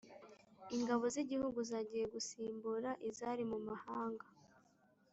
Ingabo z’igihugu zagiye gusimbura izari mu mahanga